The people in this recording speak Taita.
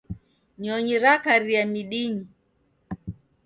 Nyonyi rakaria midinyi.